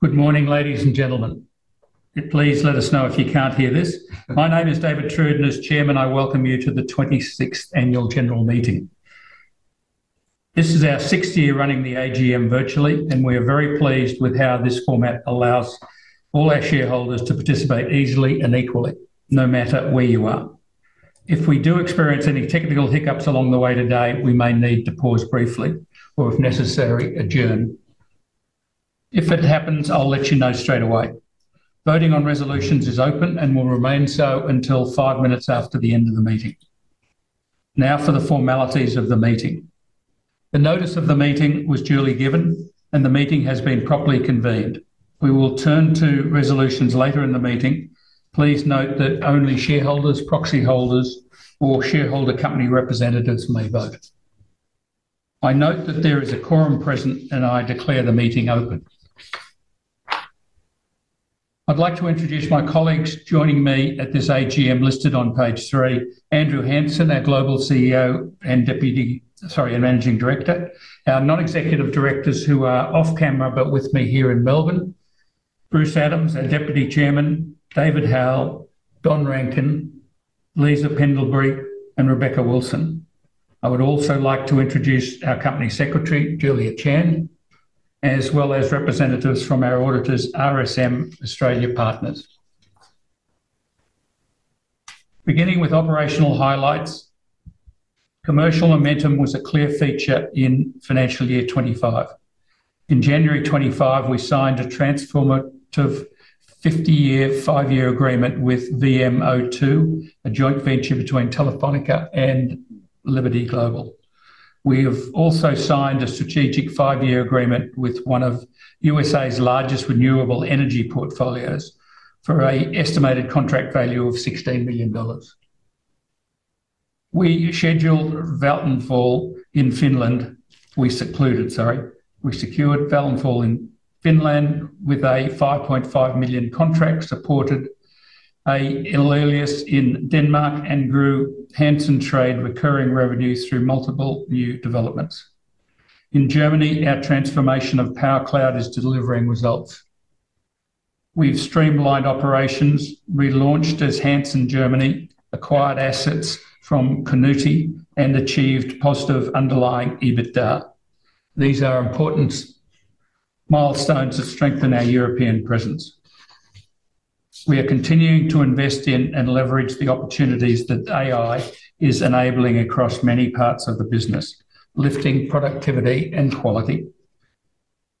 Good morning, ladies and gentlemen. Please let us know if you can't hear this. My name is David Trude, as Chairman, I welcome you to the 26th Annual General Meeting. This is our sixth year running the AGM virtually, and we are very pleased with how this format allows all our shareholders to participate easily and equally, no matter where you are. If we do experience any technical hiccups along the way today, we may need to pause briefly or, if necessary, adjourn. If it happens, I'll let you know straight away. Voting on resolutions is open and will remain so until five minutes after the end of the meeting. Now for the formalities of the meeting. The notice of the meeting was duly given, and the meeting has been properly convened. We will turn to resolutions later in the meeting. Please note that only shareholders, proxy holders, or shareholder company representatives may vote. I note that there is a quorum present, and I declare the meeting open. I'd like to introduce my colleagues joining me at this AGM listed on page three, Andrew Hansen, our Global CEO and Managing Director, our non-executive directors who are off camera but with me here in Melbourne, Bruce Adams, our Deputy Chairman, David Howell, Don Rankin, Lisa Pendlebury, and Rebecca Wilson. I would also like to introduce our Company Secretary, Julia Chand, as well as representatives from our auditors, RSM Australia Partners. Beginning with operational highlights, commercial momentum was a clear feature in financial year 2025. In January 2025, we signed a transformative five-year agreement with VMO2, a joint venture between Telefónica and Liberty Global. We have also signed a strategic five-year agreement with one of U.S.A.'s largest renewable energy portfolios for an estimated contract value of 16 million dollars. We secured Vattenfall in Finland with a 5.5 million contract, supported Å Entelios in Denmark, and grew Hansen Trade recurring revenues through multiple new developments. In Germany, our transformation of powercloud is delivering results. We've streamlined operations, relaunched as Hansen Germany, acquired assets from Canuti, and achieved positive underlying EBITDA. These are important milestones that strengthen our European presence. We are continuing to invest in and leverage the opportunities that AI is enabling across many parts of the business, lifting productivity and quality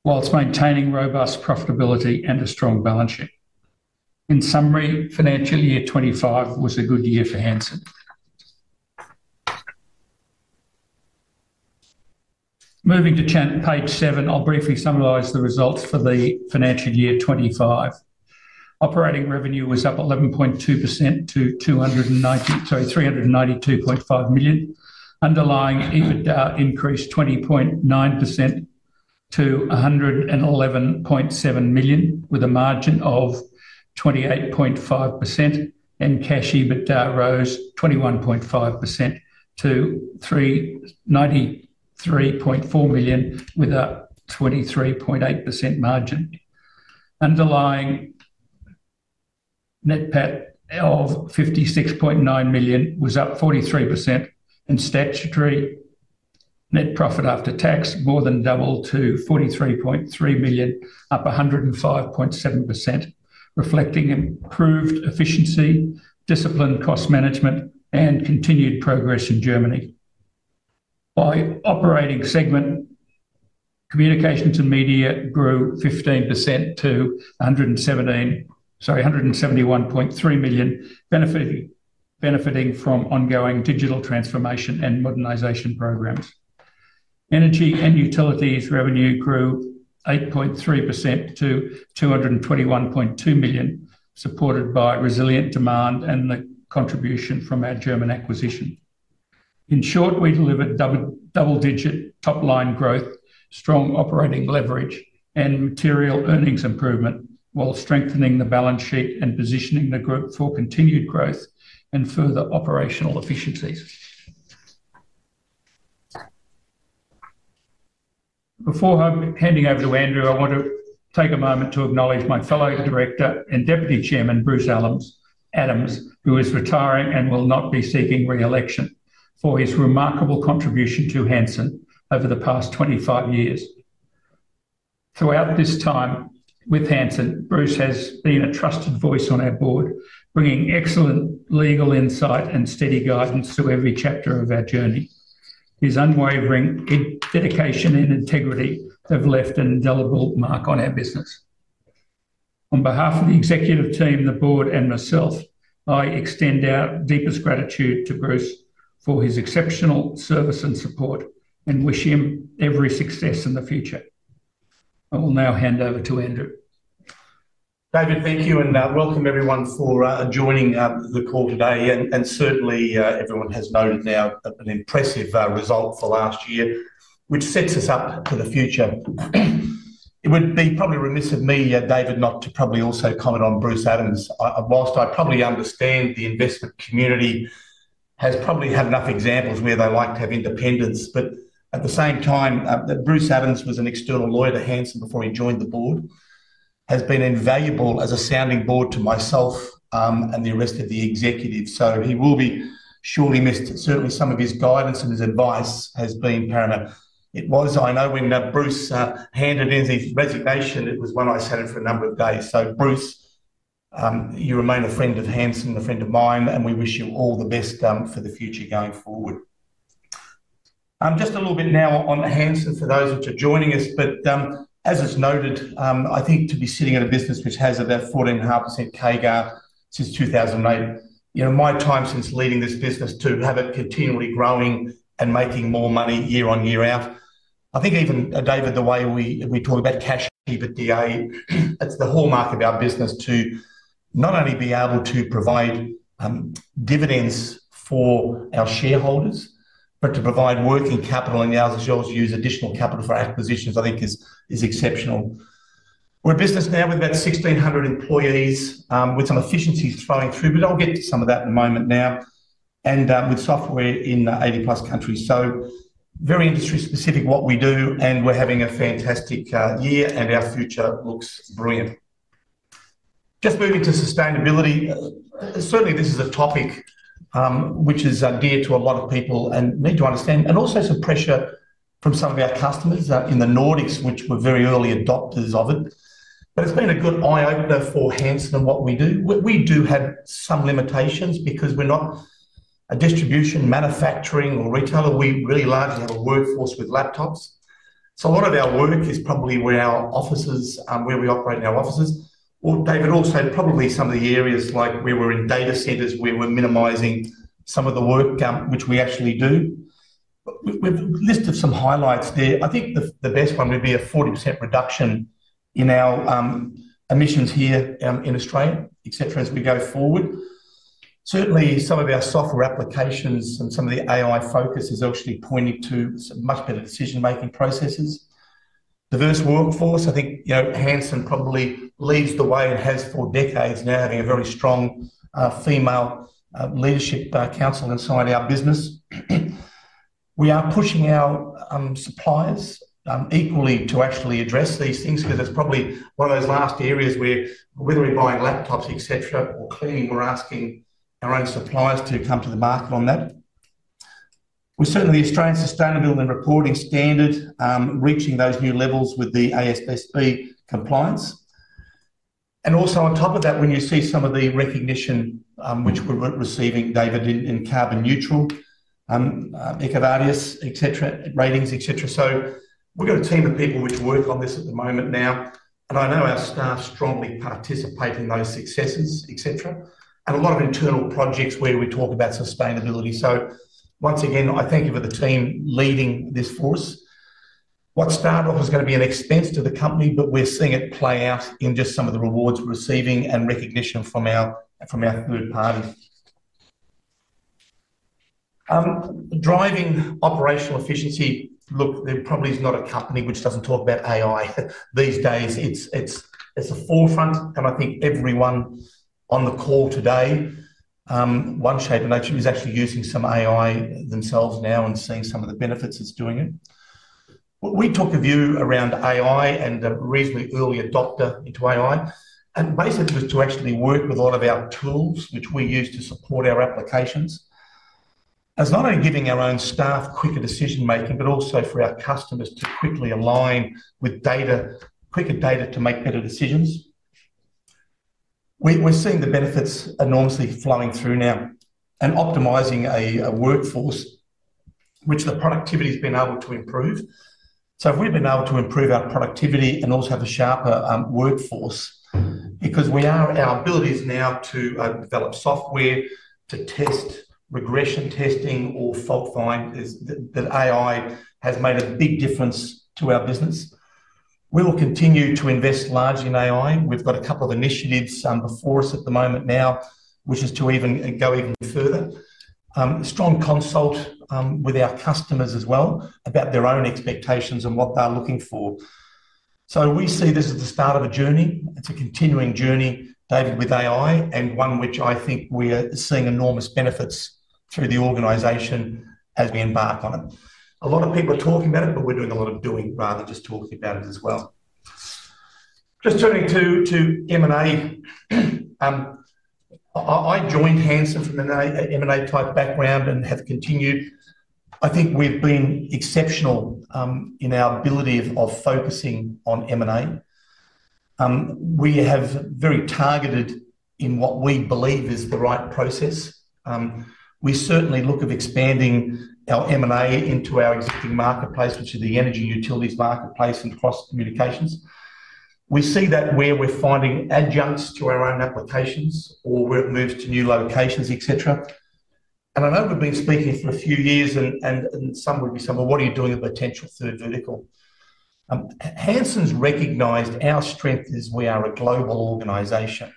whilst maintaining robust profitability and a strong balance sheet. In summary, financial year 2025 was a good year for Hansen. Moving to page seven, I'll briefly summarize the results for the financial year 2025. Operating revenue was up 11.2% to 392.5 million. Underlying EBITDA increased 20.9% to 111.7 million, with a margin of 28.5%, and cash EBITDA rose 21.5% to 93.4 million with a 23.8% margin. Underlying net PAT of 56.9 million was up 43%, and statutory net profit after tax more than doubled to 43.3 million, up 105.7%, reflecting improved efficiency, disciplined cost management, and continued progress in Germany. By operating segment, communications and media grew 15% to 171.3 million, benefiting from ongoing digital transformation and modernization programs. Energy and utilities revenue grew 8.3% to 221.2 million, supported by resilient demand and the contribution from our German acquisition. In short, we delivered double-digit top-line growth, strong operating leverage, and material earnings improvement while strengthening the balance sheet and positioning the group for continued growth and further operational efficiencies. Before handing over to Andrew, I want to take a moment to acknowledge my fellow director and Deputy Chairman, Bruce Adams, who is retiring and will not be seeking re-election for his remarkable contribution to Hansen over the past 25 years. Throughout this time with Hansen, Bruce has been a trusted voice on our board, bringing excellent legal insight and steady guidance to every chapter of our journey. His unwavering dedication and integrity have left an indelible mark on our business. On behalf of the executive team, the board, and myself, I extend our deepest gratitude to Bruce for his exceptional service and support and wish him every success in the future. I will now hand over to Andrew. David, thank you, and welcome everyone for joining the call today. Certainly, everyone has noted now an impressive result for last year, which sets us up for the future. It would be probably remiss of me, David, not to probably also comment on Bruce Adams. Whilst I probably understand the investment community has probably had enough examples where they like to have independence, at the same time, Bruce Adams, who was an external lawyer to Hansen before he joined the board, has been invaluable as a sounding board to myself and the rest of the executive. He will be surely missed. Certainly, some of his guidance and his advice has been paramount. It was, I know, when Bruce handed in his resignation, it was when I sat in for a number of days. Bruce, you remain a friend of Hansen, a friend of mine, and we wish you all the best for the future going forward. Just a little bit now on Hansen for those who are joining us. As it's noted, I think to be sitting in a business which has about 14.5% CAGR since 2008, my time since leading this business to have it continually growing and making more money year on year out, I think even, David, the way we talk about cash EBITDA, it's the hallmark of our business to not only be able to provide dividends for our shareholders, but to provide working capital and now, as you'll use, additional capital for acquisitions, I think is exceptional. We're a business now with about 1,600 employees, with some efficiencies flowing through, but I'll get to some of that in a moment now, and with software in 80-plus countries. Very industry-specific what we do, and we're having a fantastic year, and our future looks brilliant. Just moving to sustainability. Certainly, this is a topic which is dear to a lot of people and need to understand, and also some pressure from some of our customers in the Nordics, which were very early adopters of it. It's been a good eye-opener for Hansen and what we do. We do have some limitations because we're not a distribution, manufacturing, or retailer. We really largely have a workforce with laptops. A lot of our work is probably where our offices, where we operate in our offices. David also probably some of the areas like where we're in data centers, where we're minimizing some of the work which we actually do. We've listed some highlights there. I think the best one would be a 40% reduction in our emissions here in Australia, etc., as we go forward. Certainly, some of our software applications and some of the AI focus is actually pointing to some much better decision-making processes. Diverse workforce, I think Hansen probably leads the way and has for decades now, having a very strong female leadership council inside our business. We are pushing our suppliers equally to actually address these things because it's probably one of those last areas where, whether we're buying laptops, etc., or cleaning, we're asking our own suppliers to come to the market on that. We're certainly Australian sustainability and reporting standard, reaching those new levels with the ASB compliance. Also, on top of that, when you see some of the recognition which we're receiving, David, in carbon neutral, Equivarius, etc., ratings, etc. We've got a team of people which work on this at the moment now, and I know our staff strongly participate in those successes, etc., and a lot of internal projects where we talk about sustainability. Once again, I thank you for the team leading this force. What started off was going to be an expense to the company, but we're seeing it play out in just some of the rewards we're receiving and recognition from our third party. Driving operational efficiency, look, there probably is not a company which doesn't talk about AI these days. It's the forefront, and I think everyone on the call today, one shape or another, is actually using some AI themselves now and seeing some of the benefits it's doing it. We took a view around AI and a reasonably early adopter into AI, and basically was to actually work with a lot of our tools which we use to support our applications. It's not only giving our own staff quicker decision-making, but also for our customers to quickly align with data, quicker data to make better decisions. We're seeing the benefits enormously flowing through now and optimizing a workforce which the productivity has been able to improve. We've been able to improve our productivity and also have a sharper workforce because our ability is now to develop software to test regression testing or fault finding that AI has made a big difference to our business. We will continue to invest largely in AI. We've got a couple of initiatives before us at the moment now, which is to go even further. Strong consult with our customers as well about their own expectations and what they're looking for. We see this as the start of a journey. It's a continuing journey, David, with AI and one which I think we are seeing enormous benefits through the organisation as we embark on it. A lot of people are talking about it, but we're doing a lot of doing rather than just talking about it as well. Just turning to M&A, I joined Hansen from an M&A type background and have continued. I think we've been exceptional in our ability of focusing on M&A. We have very targeted in what we believe is the right process. We certainly look at expanding our M&A into our existing marketplace, which is the energy utilities marketplace and cross-communications. We see that where we're finding adjuncts to our own applications or where it moves to new locations, etc. I know we've been speaking for a few years, and some would be saying, "Well, what are you doing with a potential third vertical?" Hansen's recognised our strength is we are a global organisation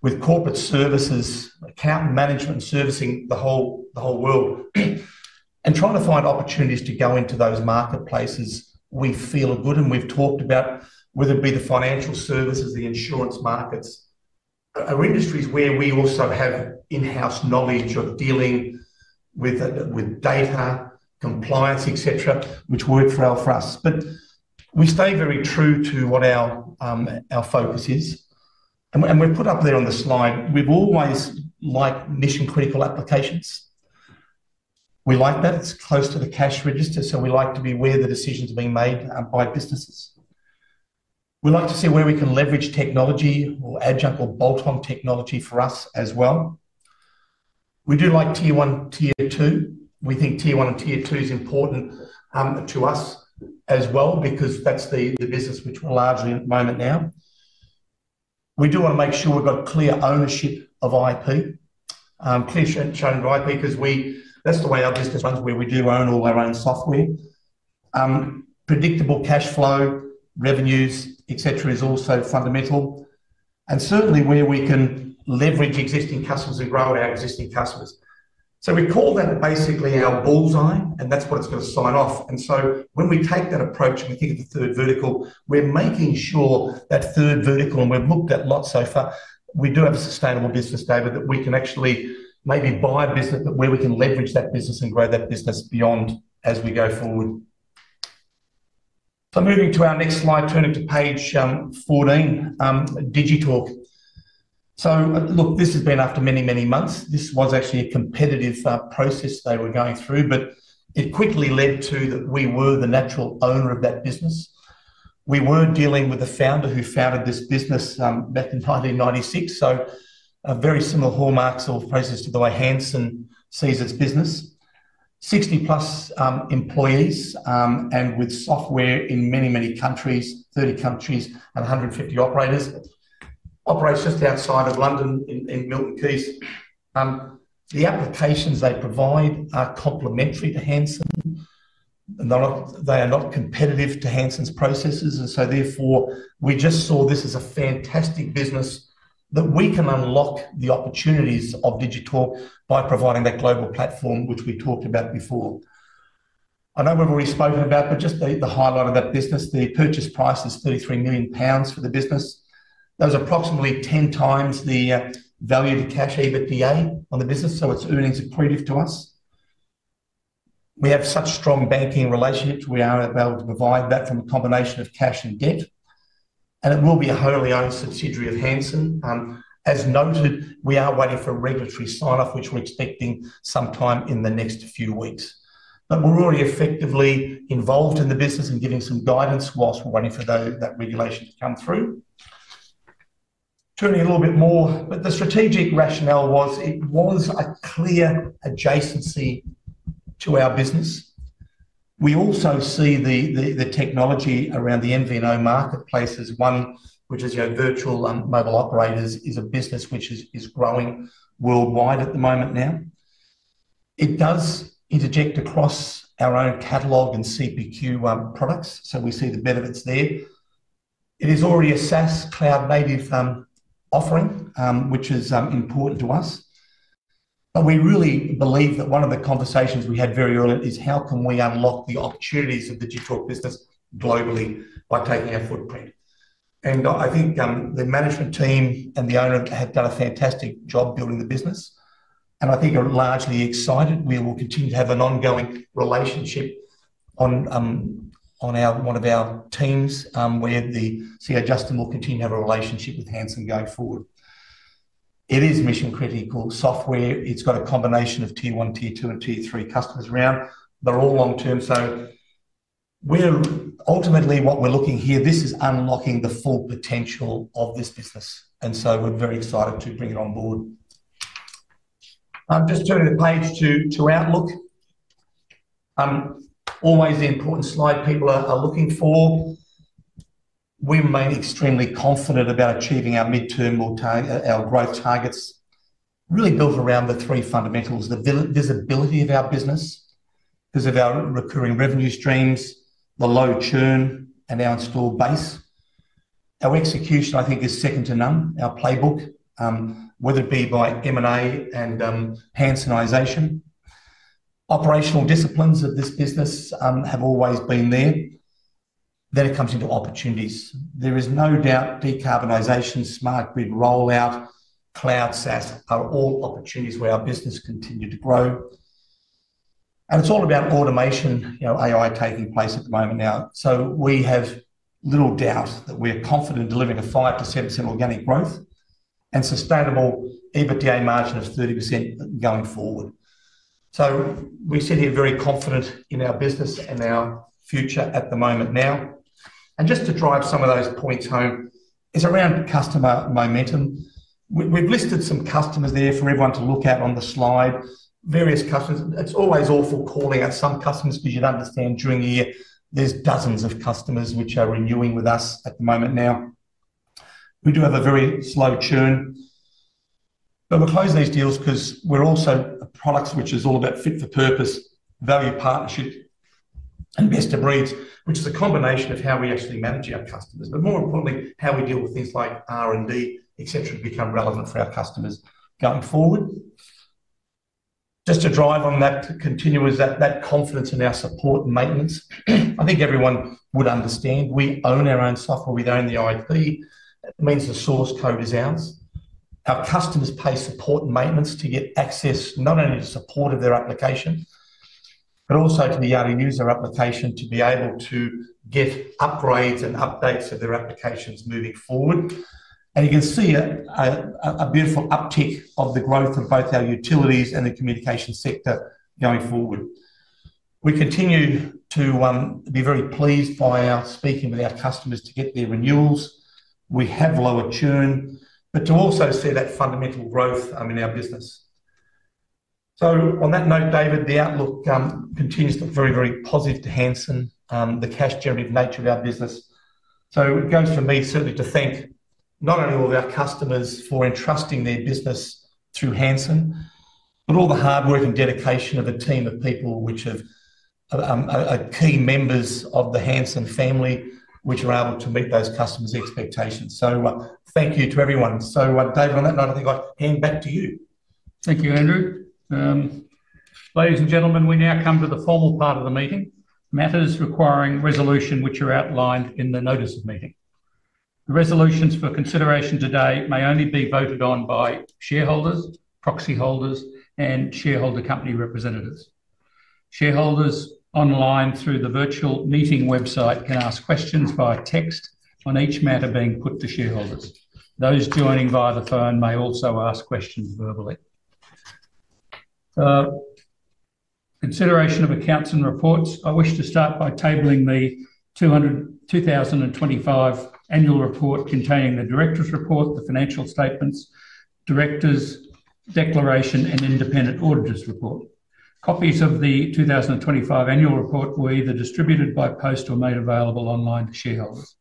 with corporate services, account management, servicing the whole world. Trying to find opportunities to go into those marketplaces we feel are good, and we've talked about whether it be the financial services, the insurance markets, or industries where we also have in-house knowledge of dealing with data, compliance, etc., which work well for us. We stay very true to what our focus is. We've put up there on the slide, we've always liked mission-critical applications. We like that it's close to the cash register, so we like to be where the decisions are being made by businesses. We like to see where we can leverage technology or adjunct or bolt-on technology for us as well. We do like tier one, tier two. We think tier one and tier two is important to us as well because that's the business which we're largely in at the moment now. We do want to make sure we've got clear ownership of IP, clear sharing of IP because that's the way our business runs where we do own all our own software. Predictable cash flow, revenues, etc., is also fundamental. Certainly, where we can leverage existing customers and grow our existing customers. We call that basically our bullseye, and that's what it's going to sign off. When we take that approach and we think of the third vertical, we're making sure that third vertical, and we've looked at lots so far, we do have a sustainable business, David, that we can actually maybe buy a business where we can leverage that business and grow that business beyond as we go forward. Moving to our next slide, turning to page 14, Digitalk. Look, this has been after many, many months. This was actually a competitive process they were going through, but it quickly led to that we were the natural owner of that business. We were dealing with the founder who founded this business back in 1996, so very similar hallmarks or process to the way Hansen sees its business. Sixty-plus employees and with software in many, many countries, 30 countries and 150 operators. Operates just outside of London in Milton Keynes. The applications they provide are complementary to Hansen. They are not competitive to Hansen's processes, and therefore, we just saw this as a fantastic business that we can unlock the opportunities of Digitalk by providing that global platform which we talked about before. I know we've already spoken about, but just the highlight of that business, the purchase price is 33 million pounds for the business. That was approximately 10 times the value to cash EBITDA on the business, so its earnings are accretive to us. We have such strong banking relationships. We are able to provide that from a combination of cash and debt, and it will be a wholly owned subsidiary of Hansen. As noted, we are waiting for a regulatory sign-off, which we're expecting sometime in the next few weeks. We are already effectively involved in the business and giving some guidance whilst we're waiting for that regulation to come through. Turning a little bit more, the strategic rationale was it was a clear adjacency to our business. We also see the technology around the MVNO marketplace as one, which is our virtual mobile operators, is a business which is growing worldwide at the moment now. It does interject across our own catalogue and CPQ products, so we see the benefits there. It is already a SaaS cloud-native offering, which is important to us. We really believe that one of the conversations we had very early is how can we unlock the opportunities of the Digitalk business globally by taking a footprint. I think the management team and the owner have done a fantastic job building the business, and I think are largely excited. We will continue to have an ongoing relationship on one of our teams where the CEO, Justin, will continue to have a relationship with Hansen going forward. It is mission-critical software. It's got a combination of tier one, tier two, and tier three customers around. They're all long-term, so ultimately, what we're looking here, this is unlocking the full potential of this business, and so we're very excited to bring it on board. Just turning the page to Outlook. Always the important slide people are looking for. We remain extremely confident about achieving our midterm or our growth targets, really built around the three fundamentals: the visibility of our business, because of our recurring revenue streams, the low churn, and our installed base. Our execution, I think, is second to none, our playbook, whether it be by M&A and Hansenization. Operational disciplines of this business have always been there. It comes into opportunities. There is no doubt decarbonisation, smart grid rollout, cloud SaaS are all opportunities where our business continues to grow. It's all about automation, AI taking place at the moment now, so we have little doubt that we're confident in delivering a 5%-7% organic growth and sustainable EBITDA margin of 30% going forward. We sit here very confident in our business and our future at the moment now. Just to drive some of those points home, it's around customer momentum. We've listed some customers there for everyone to look at on the slide, various customers. It's always awful calling out some customers because you'd understand during the year there's dozens of customers which are renewing with us at the moment now. We do have a very slow churn, but we're closing these deals because we're also a product which is all about fit for purpose, value partnership, and best of breeds, which is a combination of how we actually manage our customers, but more importantly, how we deal with things like R&D, etc., to become relevant for our customers going forward. Just to drive on that continuum, is that confidence in our support and maintenance. I think everyone would understand we own our own software. We own the IP. It means the source code is ours. Our customers pay support and maintenance to get access not only to support of their application, but also to be able to use their application to be able to get upgrades and updates of their applications moving forward. You can see a beautiful uptick of the growth of both our utilities and the communication sector going forward. We continue to be very pleased by speaking with our customers to get their renewals. We have lower churn, but also see that fundamental growth in our business. On that note, David, the outlook continues to look very, very positive to Hansen, the cash-generative nature of our business. It goes for me certainly to thank not only all of our customers for entrusting their business through Hansen, but all the hard work and dedication of a team of people which are key members of the Hansen family, which are able to meet those customers' expectations. Thank you to everyone. David, on that note, I think I'll hand back to you. Thank you, Andrew. Ladies and gentlemen, we now come to the formal part of the meeting, matters requiring resolution which are outlined in the notice of meeting. The resolutions for consideration today may only be voted on by shareholders, proxy holders, and shareholder company representatives. Shareholders online through the virtual meeting website can ask questions via text on each matter being put to shareholders. Those joining via the phone may also ask questions verbally. Consideration of accounts and reports, I wish to start by tabling the 2025 annual report containing the Director's Report, the financial statements, Director's Declaration, and Independent Auditor's Report. Copies of the 2025 annual report were either distributed by post or made available online to shareholders.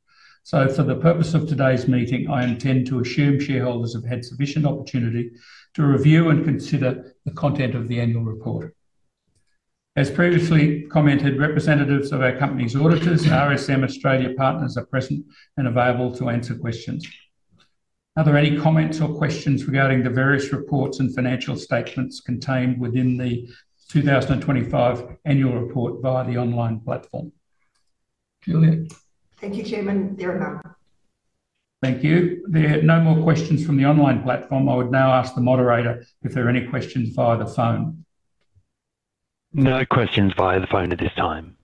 For the purpose of today's meeting, I intend to assume shareholders have had sufficient opportunity to review and consider the content of the annual report. As previously commented, representatives of our company's auditors and RSM Australia Partners are present and available to answer questions. Are there any comments or questions regarding the various reports and financial statements contained within the 2025 annual report via the online platform? Julia. Thank you, Chairman. There are no more questions from the online platform. I would now ask the moderator if there are any questions via the phone. No questions via the phone at this time.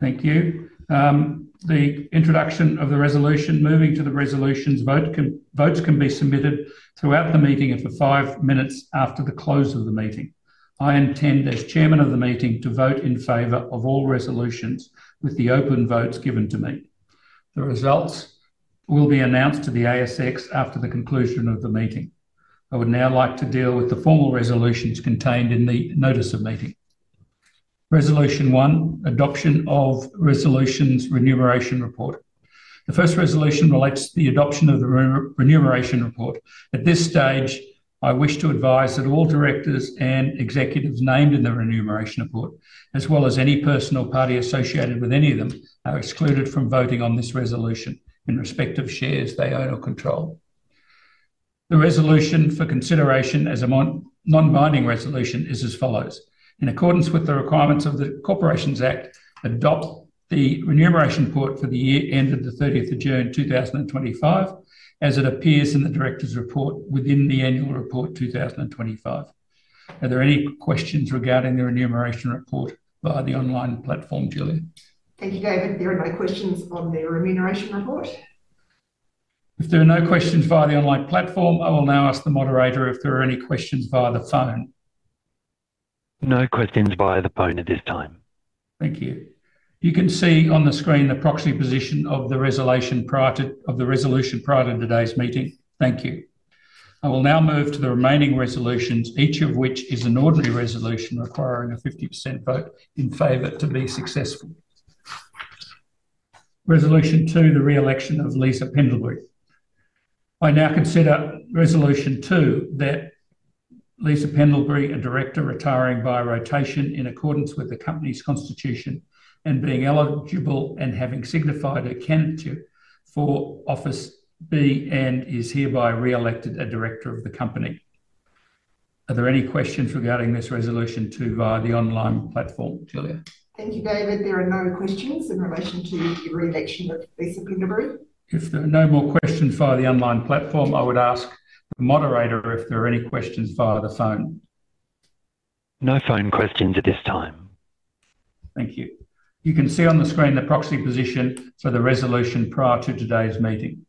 Thank you. The introduction of the resolution, moving to the resolutions, votes can be submitted throughout the meeting for five minutes after the close of the meeting. I intend, as Chairman of the meeting, to vote in favor of all resolutions with the open votes given to me. The results will be announced to the ASX after the conclusion of the meeting. I would now like to deal with the formal resolutions contained in the notice of meeting. Resolution One, adoption of resolutions remuneration report. The first resolution relates to the adoption of the remuneration report. At this stage, I wish to advise that all directors and executives named in the remuneration report, as well as any person or party associated with any of them, are excluded from voting on this resolution in respect of shares they own or control. The resolution for consideration as a non-binding resolution is as follows. In accordance with the requirements of the Corporations Act, adopt the remuneration report for the year ended the 30th of June 2025 as it appears in the director's report within the annual report 2025. Are there any questions regarding the remuneration report via the online platform, Julia? Thank you, David. There are no questions on the remuneration report. If there are no questions via the online platform, I will now ask the moderator if there are any questions via the phone. No questions via the phone at this time. Thank you. You can see on the screen the proxy position of the resolution prior to today's meeting. Thank you. I will now move to the remaining resolutions, each of which is an ordinary resolution requiring a 50% vote in favor to be successful. Resolution Two, the re-election of Lisa Pendlebury. I now consider Resolution Two that Lisa Pendlebury, a director retiring by rotation in accordance with the company's constitution and being eligible and having signified a candidature for Office B and is hereby re-elected a director of the company. Are there any questions regarding this Resolution Two via the online platform, Julia? Thank you, David. There are no questions in relation to the re-election of Lisa Pendlebury. If there are no more questions via the online platform, I would ask the moderator if there are any questions via the phone. No phone questions at this time. Thank you. You can see on the screen the proxy position for the resolution prior to today's meeting.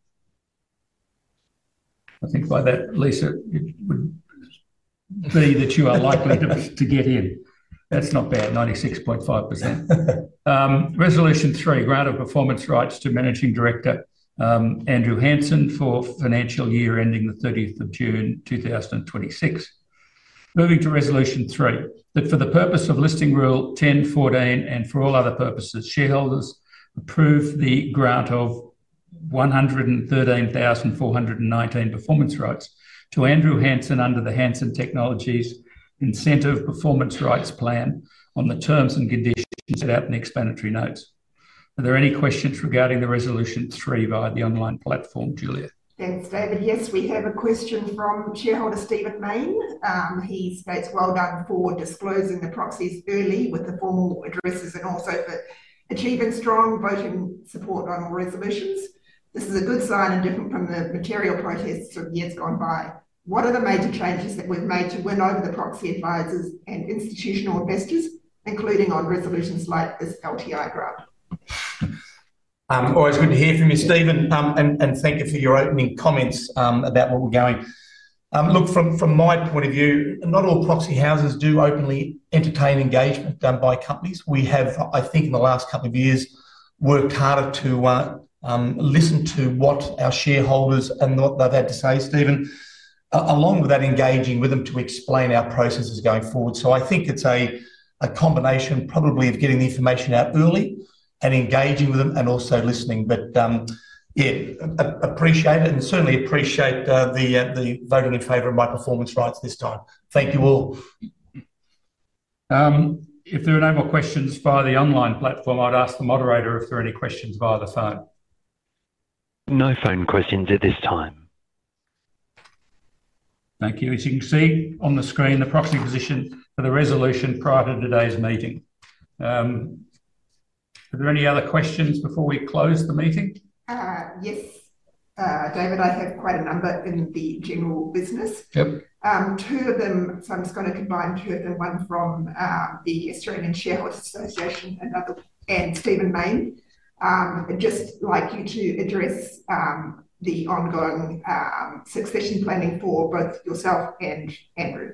I think by that, Lisa, it would be that you are likely to get in. That's not bad, 96.5%. Resolution Three, grant of performance rights to Managing Director Andrew Hansen for financial year ending the 30th of June 2026. Moving to Resolution Three, that for the purpose of Listing Rule 10.14 and for all other purposes, shareholders approve the grant of 113,419 performance rights to Andrew Hansen under the Hansen Technologies Incentive Performance Rights Plan on the terms and conditions set out in the explanatory notes. Are there any questions regarding Resolution Three via the online platform, Julia? Thanks, David. Yes, we have a question from shareholder Stephen Maine. He states, "Well done for disclosing the proxies early with the formal addresses and also for achieving strong voting support on all resolutions. This is a good sign and different from the material protests of years gone by. What are the major changes that we've made to win over the proxy advisors and institutional investors, including on resolutions like this LTI grant? Always good to hear from you, Stephen, and thank you for your opening comments about what we're going. Look, from my point of view, not all proxy houses do openly entertain engagement done by companies. We have, I think, in the last couple of years, worked harder to listen to what our shareholders and what they've had to say, Stephen, along with that engaging with them to explain our processes going forward. I think it's a combination probably of getting the information out early and engaging with them and also listening. Yeah, appreciate it and certainly appreciate the voting in favour of my performance rights this time. Thank you all. If there are no more questions via the online platform, I'd ask the moderator if there are any questions via the phone. No phone questions at this time. Thank you. As you can see on the screen, the proxy position for the resolution prior to today's meeting. Are there any other questions before we close the meeting? Yes, David, I have quite a number in the general business. Two of them, so I'm just going to combine two of them, one from the Australian Shareholders Association and Stephen Maine, just like you to address the ongoing succession planning for both yourself and Andrew.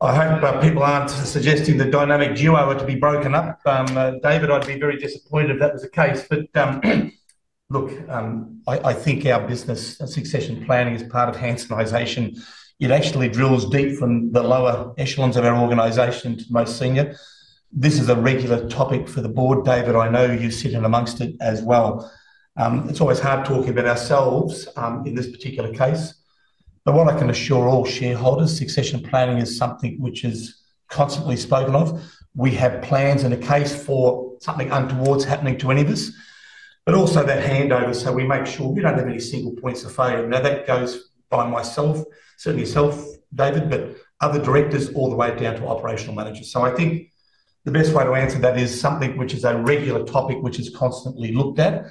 I hope people aren't suggesting the dynamic duo were to be broken up. David, I'd be very disappointed if that was the case. Look, I think our business succession planning is part of Hansenization. It actually drills deep from the lower echelons of our organization to most senior. This is a regular topic for the board, David. I know you sit in amongst it as well. It's always hard talking about ourselves in this particular case. What I can assure all shareholders, succession planning is something which is constantly spoken of. We have plans and a case for something untowards happening to any of us, but also that handover so we make sure we don't have any single points of failure. That goes by myself, certainly yourself, David, but other directors all the way down to operational managers. I think the best way to answer that is something which is a regular topic which is constantly looked at.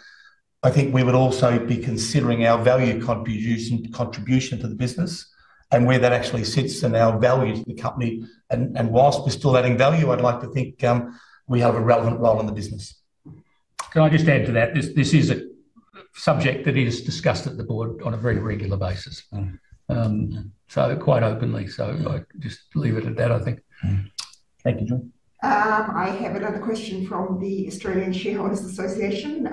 I think we would also be considering our value contribution to the business and where that actually sits in our value to the company. Whilst we're still adding value, I'd like to think we have a relevant role in the business. Can I just add to that? This is a subject that is discussed at the board on a very regular basis, quite openly. I just leave it at that, I think. Thank you. I have another question from the Australian Shareholders Association.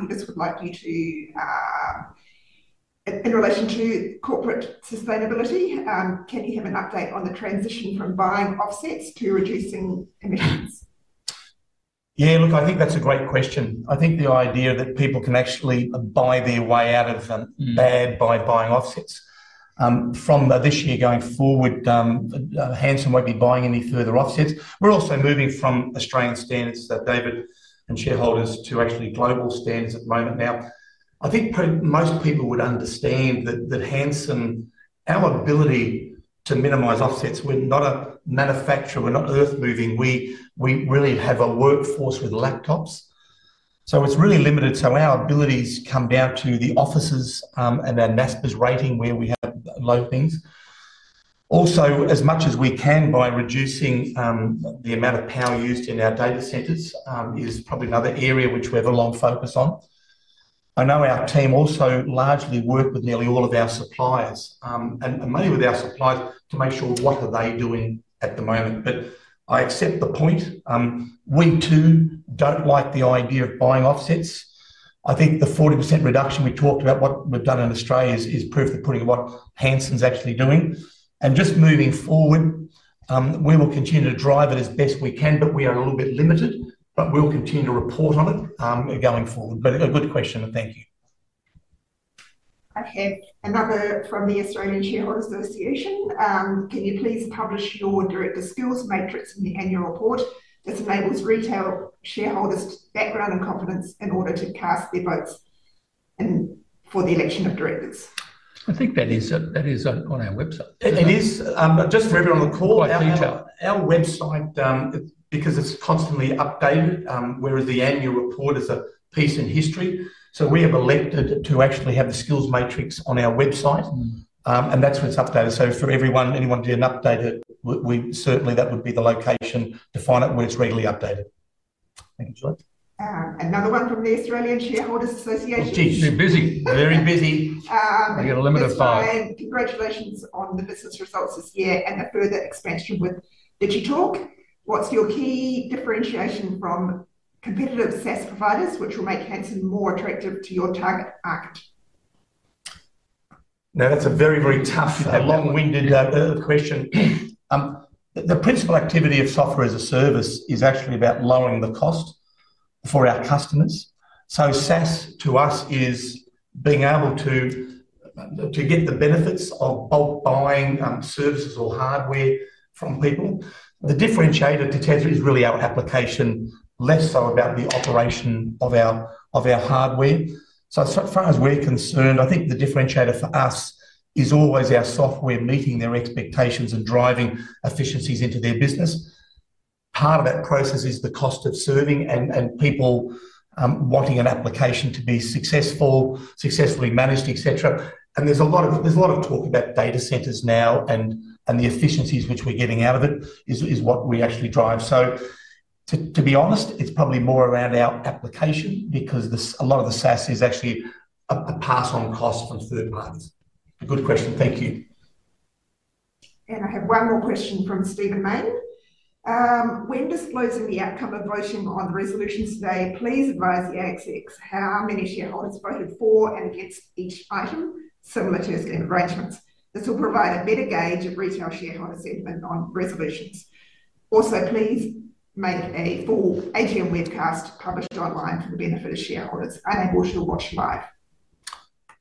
He just would like you to, in relation to corporate sustainability, can you have an update on the transition from buying offsets to reducing emissions? Yeah, look, I think that's a great question. I think the idea that people can actually buy their way out of bad by buying offsets. From this year going forward, Hansen won't be buying any further offsets. We're also moving from Australian standards that David and shareholders to actually global standards at the moment. Now, I think most people would understand that Hansen, our ability to minimize offsets, we're not a manufacturer, we're not earth moving. We really have a workforce with laptops. So it's really limited. So our abilities come down to the offices and our NASPA's rating where we have low things. Also, as much as we can by reducing the amount of power used in our data centers is probably another area which we have a long focus on. I know our team also largely work with nearly all of our suppliers and mainly with our suppliers to make sure what are they doing at the moment. I accept the point. We too don't like the idea of buying offsets. I think the 40% reduction we talked about, what we've done in Australia is proof of putting what Hansen's actually doing. Just moving forward, we will continue to drive it as best we can, but we are a little bit limited, but we'll continue to report on it going forward. A good question, and thank you. I have another from the Australian Shareholders Association. Can you please publish your director skills matrix in the annual report that enables retail shareholders' background and confidence in order to cast their votes for the election of directors? I think that is on our website. It is. Just for everyone on the call, our website, because it's constantly updated, whereas the annual report is a piece in history. We have elected to actually have the skills matrix on our website, and that's where it's updated. For everyone, anyone doing update, certainly that would be the location to find it where it's regularly updated. Thank you, Julie. Another one from the Australian Shareholders Association. She's busy. Very busy. We've got a limited file. Congratulations on the business results this year and the further expansion with Digitalk. What's your key differentiation from competitive SaaS providers which will make Hansen more attractive to your target market? Now, that's a very, very tough, long-winded question. The principal activity of software as a service is actually about lowering the cost for our customers. So SaaS to us is being able to get the benefits of bulk buying services or hardware from people. The differentiator to Tesla is really our application, less so about the operation of our hardware. As far as we're concerned, I think the differentiator for us is always our software meeting their expectations and driving efficiencies into their business. Part of that process is the cost of serving and people wanting an application to be successful, successfully managed, etc. There is a lot of talk about data centers now and the efficiencies which we're getting out of it is what we actually drive. To be honest, it's probably more around our application because a lot of the SaaS is actually a pass-on cost from third parties. A good question. Thank you. I have one more question from Stephen Maine. When disclosing the outcome of voting on the resolutions today, please advise the ASX how many shareholders voted for and against each item, similar to estate arrangements. This will provide a better gauge of retail shareholder sentiment on resolutions. Also, please make a full AGM webcast published online for the benefit of shareholders unable to watch live.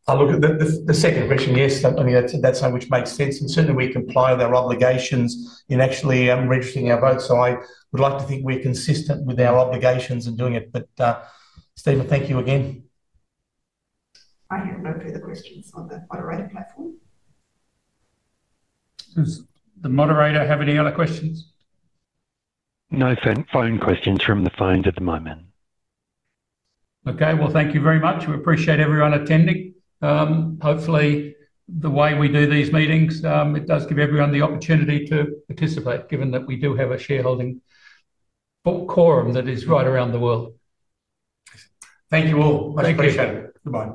I'll look at the second question. Yes, I mean, that makes sense. And certainly, we comply with our obligations in actually registering our votes. I would like to think we're consistent with our obligations and doing it. Stephen, thank you again. I have no further questions on the moderator platform. Does the moderator have any other questions? No phone questions from the phones at the moment. Thank you very much. We appreciate everyone attending. Hopefully, the way we do these meetings, it does give everyone the opportunity to participate given that we do have a shareholding quorum that is right around the world. Thank you all. I appreciate it. Bye.